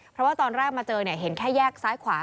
เพราะว่าตอนแรกมาเจอเห็นแค่แยกซ้ายขวา